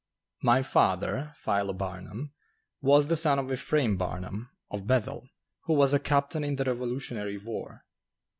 My father, Philo Barnum, was the son of Ephraim Barnum, of Bethel, who was a captain in the revolutionary war.